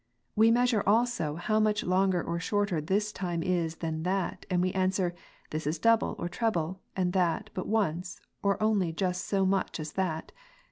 We measure also, how much longer or shorter this time is than that; and we answer, "This is double, or treble; and that, but once, or only just so much as that."